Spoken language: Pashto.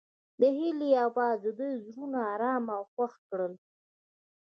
د هیلې اواز د دوی زړونه ارامه او خوښ کړل.